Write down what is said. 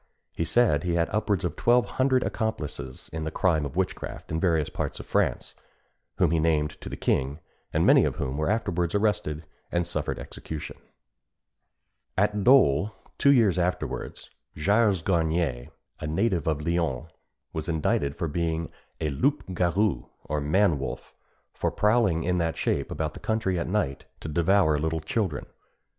He said he had upwards of twelve hundred accomplices in the crime of witchcraft in various parts of France, whom he named to the king, and many of whom were afterwards arrested and suffered execution. At Dôle, two years afterwards, Gilles Garnier, a native of Lyons, was indicted for being a loup garou, or man wolf, and for prowling in that shape about the country at night to devour little children.